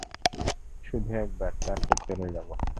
শুধু একবার, তারপর চলে যাব।